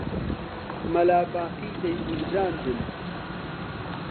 مەلا باقی دەیبرژاندن